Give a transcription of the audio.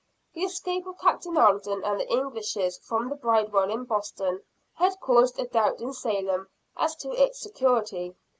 The escape of Captain Alden and the Englishes from the Bridewell in Boston, had caused a doubt in Salem as to its security.